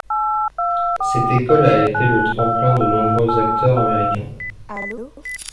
Cette école a été le tremplin de nombreux acteurs américains.